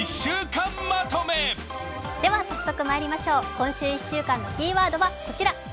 今週１週間のキーワードはこちら。